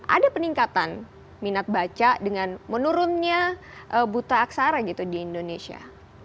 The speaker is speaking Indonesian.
ada peningkatan minat baca dengan menurunnya buta aksara gitu di indonesia